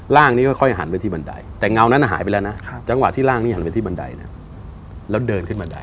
ร่างนี้ค่อยหันไปที่บันไดแต่เงานั้นหายไปแล้วนะจังหวะที่ร่างนี้หันไปที่บันไดนะแล้วเดินขึ้นบันได